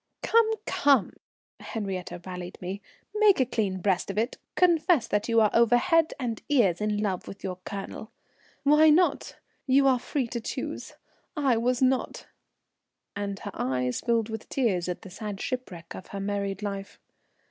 "Come, come," Henriette rallied me. "Make a clean breast of it. Confess that you are over head and ears in love with your Colonel. Why not? You are free to choose, I was not," and her eyes filled with tears at the sad shipwreck of her married life.